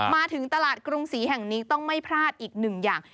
มาถึงตลาดกรุงศรีแห่งนี้ต้องไม่พลาดอีกหนึ่งอย่าง